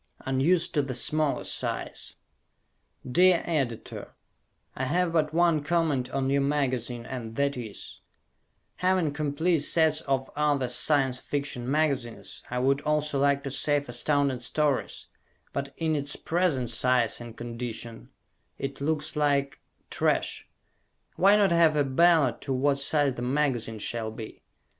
Unused to the Smaller Size Dear Editor: I have but one comment on your magazine and that is: Having complete sets of other Science Fiction magazines I would also like to save Astounding Stories, but in its present size and condition it looks like trash. Why not have a ballot to what size the magazine shall be?